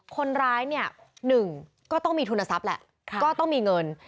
คนร้ายเนี่ยหนึ่งก็ต้องมีทุนทรัพย์แหละก็ต้องมีเงิน